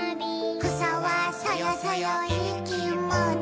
「くさはそよそよいいきもち」